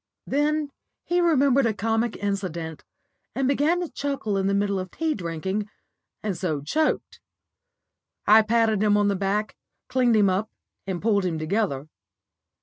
Then he remembered a comic incident, and began to chuckle in the middle of tea drinking, and so choked. I patted him on the back, cleaned him up, and pulled him together.